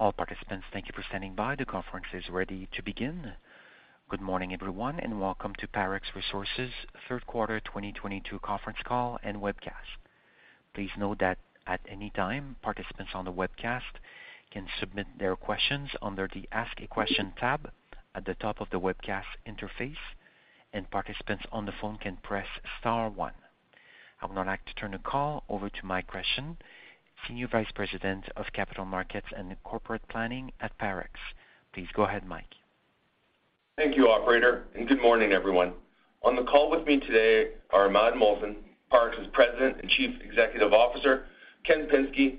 All participants, thank you for standing by. The conference is ready to begin. Good morning, everyone, and welcome to Parex Resources third quarter 2022 conference call and webcast. Please note that at any time, participants on the webcast can submit their questions under the Ask a Question tab at the top of the webcast interface, and participants on the phone can press star one. I would now like to turn the call over to Mike Kruchten, Senior Vice President of Capital Markets & Corporate Planning at Parex. Please go ahead, Mike. Thank you, operator, and good morning, everyone. On the call with me today are Imad Mohsen, Parex's President and Chief Executive Officer, Ken Pinsky,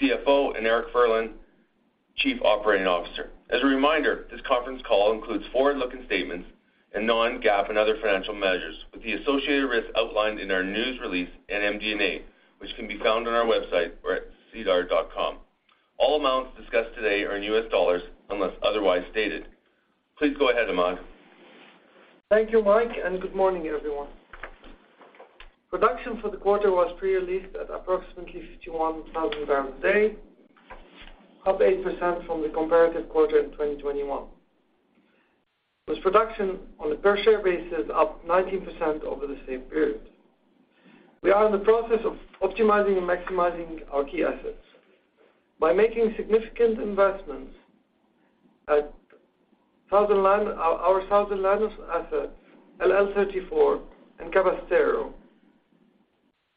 CFO, and Eric Furlan, Chief Operating Officer. As a reminder, this conference call includes forward-looking statements and non-GAAP and other financial measures, with the associated risks outlined in our news release and MD&A, which can be found on our website or at sedar.com. All amounts discussed today are in US dollars unless otherwise stated. Please go ahead, Imad. Thank you, Mike, and good morning, everyone. Production for the quarter was pre-released at approximately 51,000 barrels a day, up 8% from the comparative quarter in 2021. This production on a per share basis up 19% over the same period. We are in the process of optimizing and maximizing our key assets. By making significant investments at our Southern Llanos asset, LL 34 and Cabrestero,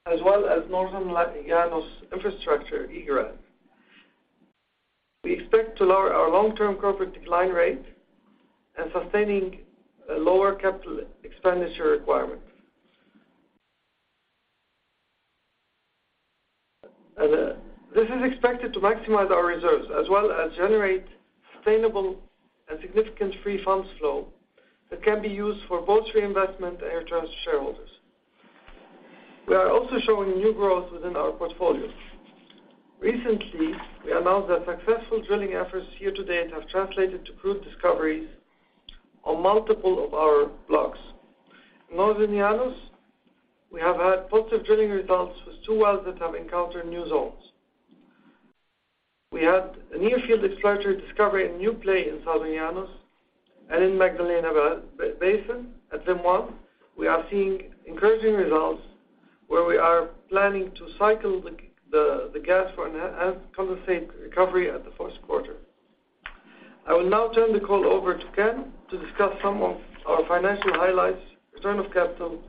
as well as Northern Llanos infrastructure, EGRET. We expect to lower our long-term corporate decline rate and sustaining a lower capital expenditure requirement. This is expected to maximize our reserves as well as generate sustainable and significant free funds flow that can be used for both reinvestment and return to shareholders. We are also showing new growth within our portfolio. Recently, we announced that successful drilling efforts year-to-date have translated to prove discoveries on multiple of our blocks. In Northern Llanos, we have had positive drilling results with two wells that have encountered new zones. We had a near-field exploratory discovery, a new play in Southern Llanos and in Magdalena Basin. At VIM-1, we are seeing encouraging results where we are planning to cycle the gas for and condensate recovery in the first quarter. I will now turn the call over to Ken to discuss some of our financial highlights, return of capital,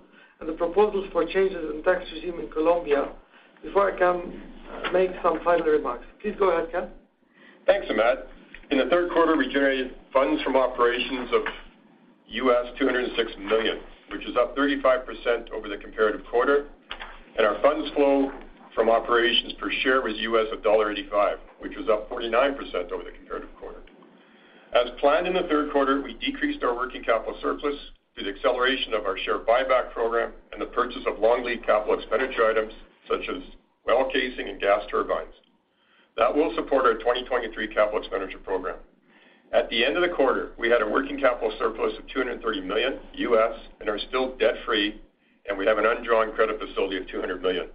and the proposals for changes in tax regime in Colombia before I make some final remarks. Please go ahead, Ken. Thanks, Imad. In the third quarter, we generated funds from operations of $206 million, which is up 35% over the comparative quarter. Our funds flow from operations per share was $1.85, which was up 49% over the comparative quarter. As planned in the third quarter, we decreased our working capital surplus through the acceleration of our share buyback program and the purchase of long lead capital expenditure items such as well casing and gas turbines. That will support our 2023 capital expenditure program. At the end of the quarter, we had a working capital surplus of $230 million US and are still debt-free, and we have an undrawn credit facility of $200 million.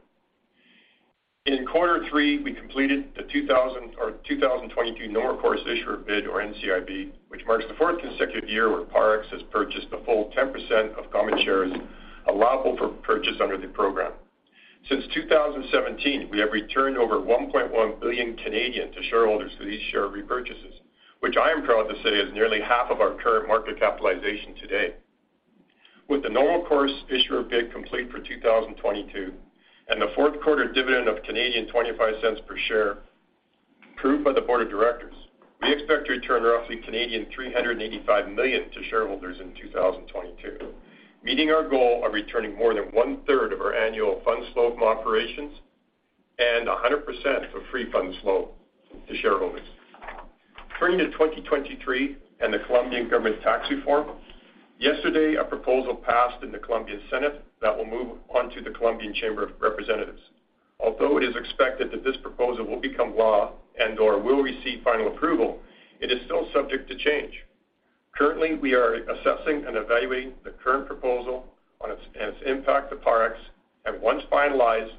In quarter three, we completed the 2022 normal course issuer bid or NCIB, which marks the fourth consecutive year where Parex has purchased the full 10% of common shares allowable for purchase under the program. Since 2017, we have returned over 1.1 billion to shareholders for these share repurchases, which I am proud to say is nearly half of our current market capitalization to date. With the normal course issuer bid complete for 2022, and the fourth quarter dividend of 0.25 per share approved by the board of directors, we expect to return roughly 385 million to shareholders in 2022, meeting our goal of returning more than one-third of our annual funds flow from operations and 100% of free funds flow to shareholders. Turning to 2023 and the Colombian government tax reform, yesterday, a proposal passed in the Senate of the Republic of Colombia that will move on to the Chamber of Representatives of Colombia. Although it is expected that this proposal will become law and/or will receive final approval, it is still subject to change. Currently, we are assessing and evaluating the current proposal on its impact to Parex, and once finalized,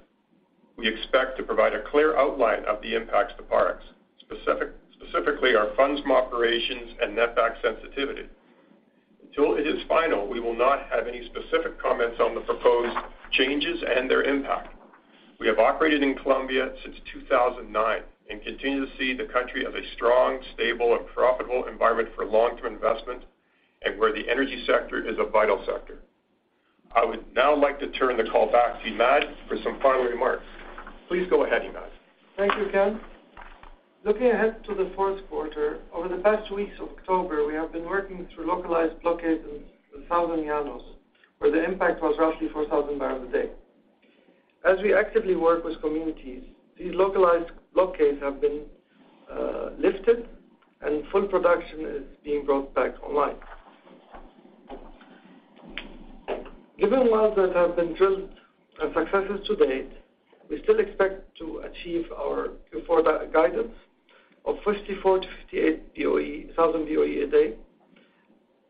we expect to provide a clear outline of the impacts to Parex, specifically our funds from operations and netback sensitivity. Until it is final, we will not have any specific comments on the proposed changes and their impact. We have operated in Colombia since 2009 and continue to see the country as a strong, stable and profitable environment for long-term investment and where the energy sector is a vital sector. I would now like to turn the call back to Imad for some final remarks. Please go ahead, Imad. Thank you, Ken. Looking ahead to the fourth quarter, over the past weeks of October, we have been working t0hrough localized blockades in Southern Llanos, where the impact was roughly 4,000 barrels a day. As we actively work with communities, these localized blockades have been lifted and full production is being brought back online. Given wells that have been drilled and successes to date, we still expect to achieve our Q4 guidance of 54,000-58,000 BOE a day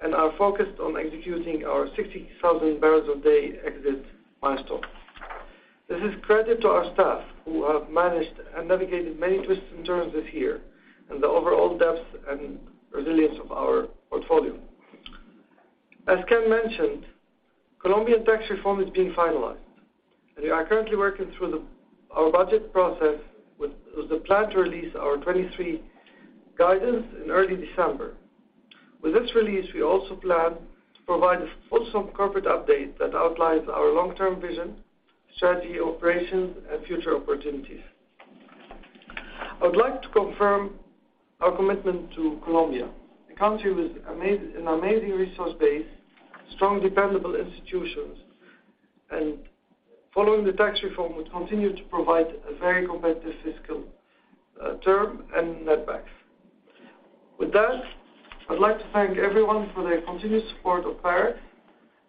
and are focused on executing our 60,000 barrels a day exit milestone. This is credit to our staff who have managed and navigated many twists and turns this year and the overall depth and resilience of our portfolio. As Ken mentioned, Colombian tax reform is being finalized, and we are currently working through our budget process with the plan to release our 2023 guidance in early December. With this release, we also plan to provide a full corporate update that outlines our long-term vision, strategy, operations, and future opportunities. I would like to confirm our commitment to Colombia, a country with an amazing resource base, strong, dependable institutions, and following the tax reform, will continue to provide a very competitive fiscal term and netbacks. With that, I'd like to thank everyone for their continued support of Parex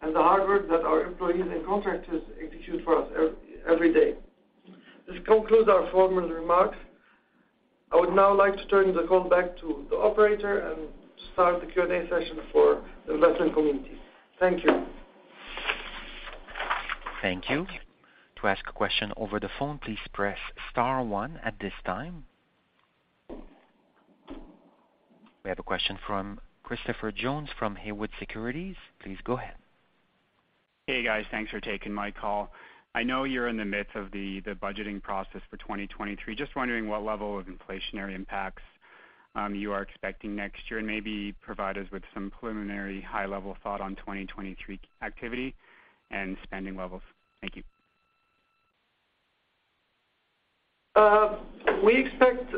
and the hard work that our employees and contractors execute for us every day. This concludes our formal remarks. I would now like to turn the call back to the operator and start the Q&A session for the investment community. Thank you. Thank you. To ask a question over the phone, please press star one at this time. We have a question from Christopher Jones from Haywood Securities. Please go ahead. Hey, guys. Thanks for taking my call. I know you're in the midst of the budgeting process for 2023. Just wondering what level of inflationary impacts you are expecting next year, and maybe provide us with some preliminary high-level thought on 2023 activity and spending levels. Thank you. We expect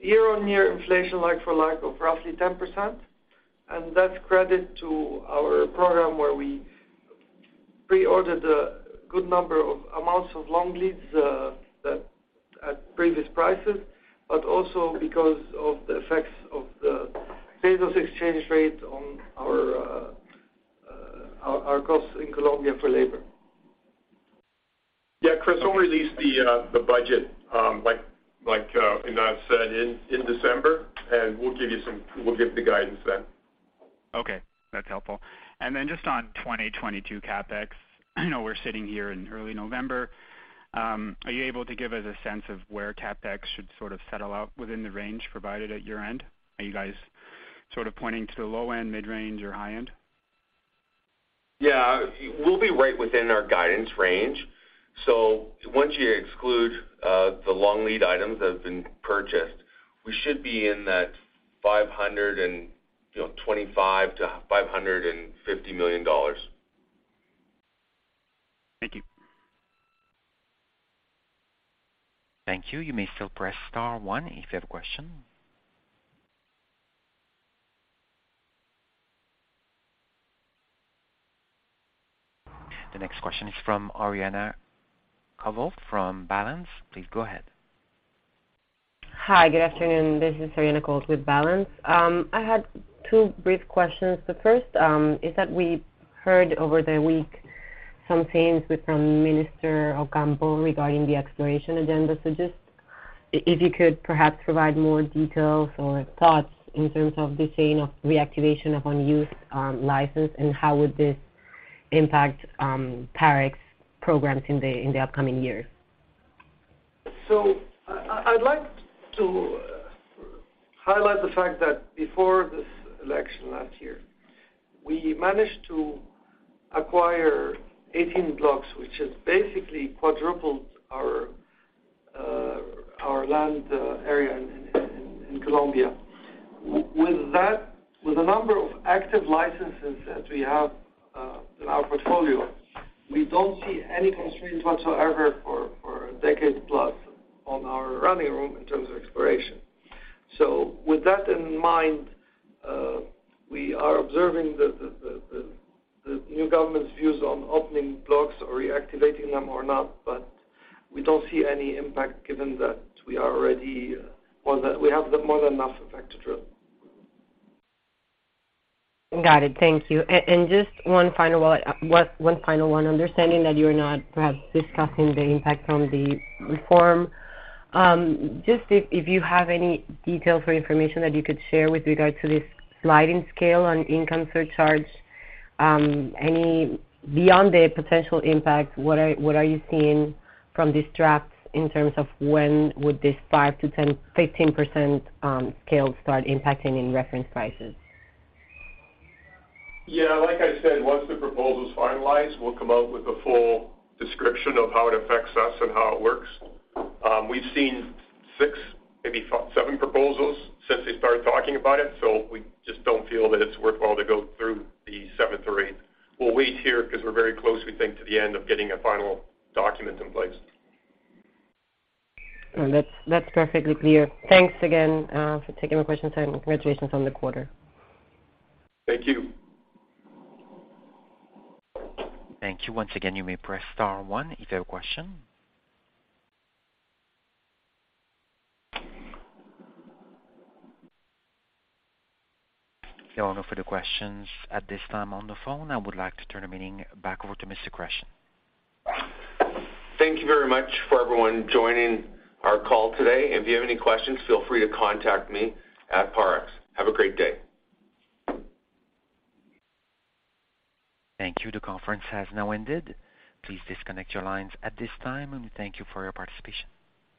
year-on-year inflation like for like of roughly 10%, and that's credit to our program where we pre-ordered a good number of amounts of long leads that at previous prices, but also because of the effects of the pesos exchange rate on our costs in Colombia for labor. Yeah, Chris, we'll release the budget, like Imad said, in December, and we'll give you some guidance then. Okay, that's helpful. Just on 2022 CapEx. I know we're sitting here in early November. Are you able to give us a sense of where CapEx should sort of settle out within the range provided at your end? Are you guys sort of pointing to the low end, mid-range or high end? Yeah. We'll be right within our guidance range. Once you exclude the long lead items that have been purchased, we should be in that $525 million-$550 million. Thank you. Thank you. You may still press star one if you have a question. The next question is from Ariane Covil from Balanz. Please go ahead. Hi. Good afternoon. This is Ariane Covil with Balanz. I had two brief questions. The first is that we heard over the week some themes from Minister Ocampo regarding the exploration agenda. Just if you could perhaps provide more details or thoughts in terms of the change of reactivation of unused license, and how would this impact Parex programs in the upcoming years? I’d like to highlight the fact that before this election last year, we managed to acquire 18 blocks, which has basically quadrupled our land area in Colombia. With the number of active licenses that we have in our portfolio, we don't see any constraints whatsoever for a decade plus on our running room in terms of exploration. With that in mind, we are observing the new government's views on opening blocks or reactivating them or not, but we don't see any impact given that we have more than enough acreage to drill. Got it. Thank you. Just one final one, understanding that you're not perhaps discussing the impact from the reform. Just if you have any details or information that you could share with regard to this sliding scale on income surcharge, beyond the potential impact, what are you seeing from these drafts in terms of when would this 5%-10%, 15% scale start impacting in reference prices? Yeah. Like I said, once the proposal is finalized, we'll come out with a full description of how it affects us and how it works. We've seen 6, maybe 7 proposals since they started talking about it, so we just don't feel that it's worthwhile to go through the seventh or eighth. We'll wait here because we're very close, we think, to the end of getting a final document in place. That's perfectly clear. Thanks again for taking my questions and congratulations on the quarter. Thank you. Thank you. Once again, you may press star one if you have a question. There are no further questions at this time on the phone. I would like to turn the meeting back over to Mr. Kruchten. Thank you very much for everyone joining our call today. If you have any questions, feel free to contact me at Parex. Have a great day. Thank you. The conference has now ended. Please disconnect your lines at this time, and we thank you for your participation.